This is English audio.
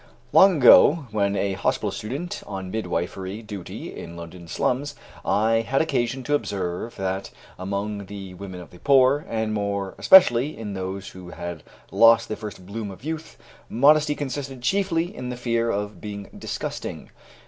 Long ago, when a hospital student on midwifery duty in London slums, I had occasion to observe that among the women of the poor, and more especially in those who had lost the first bloom of youth, modesty consisted chiefly in the fear of being disgusting.